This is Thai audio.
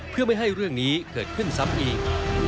เพื่อไม่ให้เรื่องนี้เกิดขึ้นซ้ำอีก